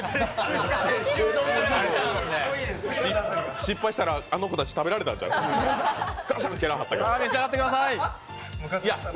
失敗したら、あの子たち食べられたんちゃう？